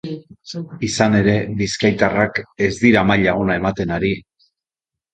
Izan ere, bizkaitarrak ez dira maila ona ematen ari.